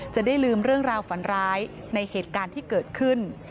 จะได้ลืมเรื่องราวฝันร้ายในเหตุการณ์ที่เกิดขึ้น